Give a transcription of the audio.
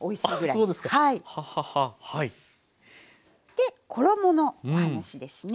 で衣のお話ですね。